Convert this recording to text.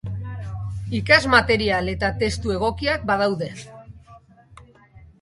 Ikasmaterial eta testu egokiak badaude.